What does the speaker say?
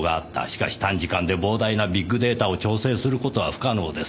しかし短時間で膨大なビッグデータを調整する事は不可能です。